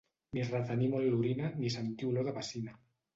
Ni retenir molt l'orina ni sentir olor de bacina.